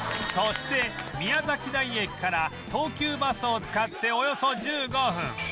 そして宮崎台駅から東急バスを使っておよそ１５分